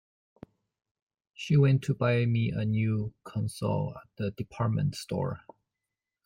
She went to buy me a new console at the department store.